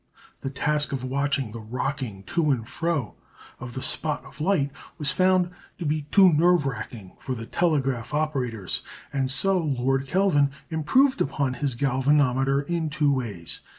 The task of watching the rocking to and fro of the spot of light was found to be too nerve racking for the telegraph operators, and so Lord Kelvin improved upon his galvanometer in two ways.